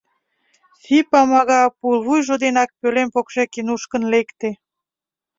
Си-Памага пулвуйжо денак пӧлем покшеке нушкын лекте.